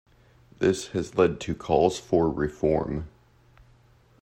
This has led to calls for reform.